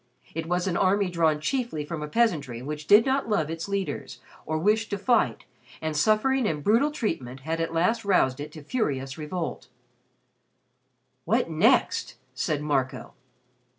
It was an army drawn chiefly from a peasantry which did not love its leaders, or wish to fight, and suffering and brutal treatment had at last roused it to furious revolt. "What next?" said Marco.